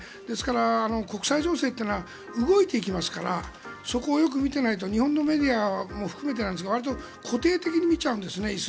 ですから、国際情勢というのは動いていきますからそこをよく見ていないと日本のメディアも含めてですがわりと固定的に見ちゃうんですね